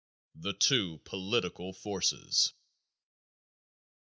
_The Two Political Forces.